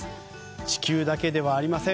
地球だけではありません。